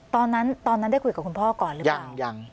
ตอนนั้นได้คุยกับคุณพ่อก่อนหรือเปล่ายัง